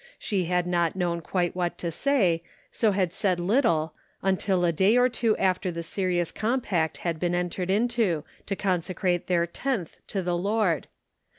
She had not known quite what to say, so had said 97 98 The Pocket Measure. little, until a day or two after the serious com pact had been entered into, to consecrate their " tenth " to the Lord.